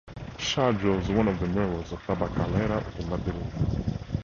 Sha draws one of the murals of Tabacalera de Madrid.